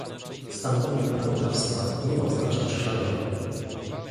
Stanowienie prawodawstwa nie oznacza prześladowań